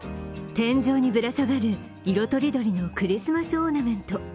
天井にぶら下がる色とりどりのクリスマスオーナメント。